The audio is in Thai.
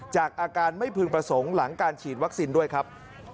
จากอาการไม่พึงประสงค์หลังการฉีดวัคซีนด้วยครับ